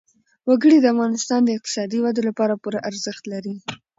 وګړي د افغانستان د اقتصادي ودې لپاره پوره ارزښت لري.